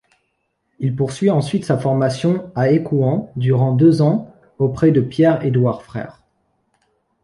Il poursuit ensuite sa formation à Écouen durant deux ans auprès de Pierre-Édouard Frère.